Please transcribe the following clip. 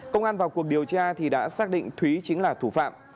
công an vào cuộc điều tra thì đã xác định thúy chính là thủ phạm